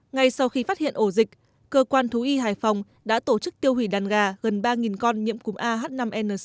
ngay sau khi phát hiện ổ dịch cơ quan thú y hải phòng đã tổ chức tiêu hủy đàn gà gần ba con nhiễm cúm ah năm n sáu